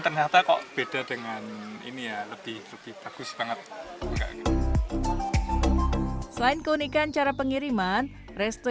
resto ini juga memiliki konsep unik dalam cara pengiriman makanan